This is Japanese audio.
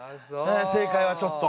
正解はちょっと。